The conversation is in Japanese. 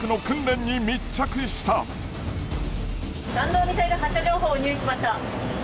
弾道ミサイル発射情報を入手しました。